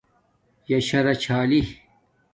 یݳ شݳ رِݵ چھݳئی.